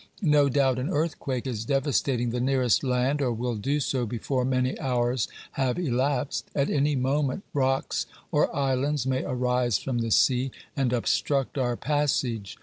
No doubt an earthquake is devastating the nearest land, or will do so before many hours have elapsed. At any moment rocks or islands may arise from the sea, and obstruct our passage.